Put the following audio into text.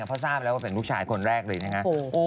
ก็ซ่าไปแล้วว่าเป็นลูกชายคนแรกเลยนะ